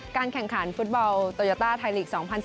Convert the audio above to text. แข่งขันฟุตบอลโตยาต้าไทยลีก๒๐๑๙